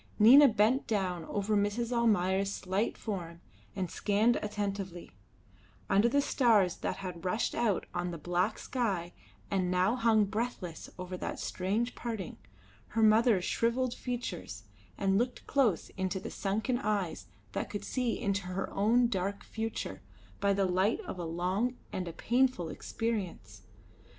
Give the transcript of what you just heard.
Nina bent down over Mrs. Almayer's slight form and scanned attentively, under the stars that had rushed out on the black sky and now hung breathless over that strange parting, her mother's shrivelled features, and looked close into the sunken eyes that could see into her own dark future by the light of a long and a painful experience.